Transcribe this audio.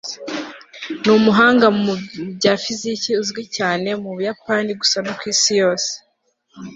ni umuhanga mu bya fiziki uzwi cyane mu buyapani gusa no ku isi yose